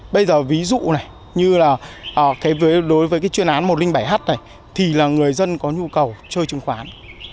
bây giờ ví dụ này như là đối với chuyên án một trăm linh bảy h này thì là người dân có nhu cầu chơi chứng khoán